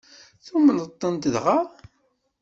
Tumneḍ-tent dɣa?